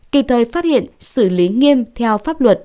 kịp thời phát hiện xử lý nghiêm theo pháp luật